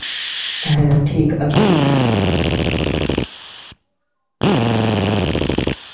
হ্যাঁ ঠিক আছি।